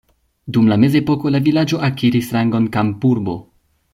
Dum la mezepoko la vilaĝo akiris rangon kampurbo.